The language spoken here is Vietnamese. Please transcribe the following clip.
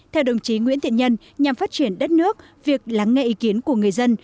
theo đồng chí nguyễn thiện nhân nhằm phát triển đất nước việc lắng nghe ý kiến của người dân